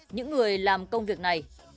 những người làm công việc này